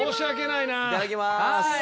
いただきます。